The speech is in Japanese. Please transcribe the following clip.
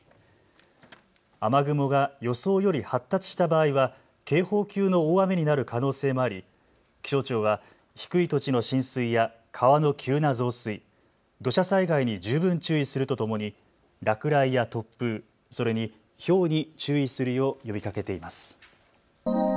雨雲が予想より発達した場合は警報級の大雨になる可能性もあり気象庁は低い土地の浸水や川の急な増水、土砂災害に十分注意するとともに落雷や突風、それにひょうに注意するよう呼びかけています。